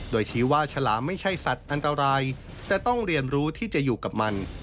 โดยชี้ว่าฉลามไม่ใช่สัตว์อันตรายแต่ต้องเรียนรู้ที่จะอยู่กับมัน